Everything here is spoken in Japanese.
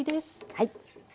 はい。